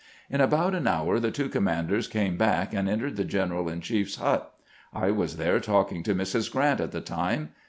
In abont an hour the two commanders came back and entered the general in chief's hut. I was there talking to Mrs. Grrant at the time.